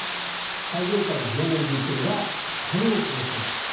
最上階の４ＬＤＫが３億５０００万。